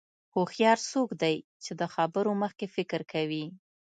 هوښیار څوک دی چې د خبرو مخکې فکر کوي.